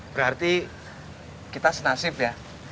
berarti kita senasib ya